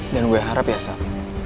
dan gue harap ya sak